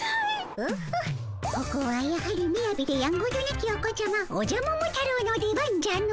オホッここはやはりみやびでやんごとなきお子ちゃまおじゃ桃太郎の出番じゃの。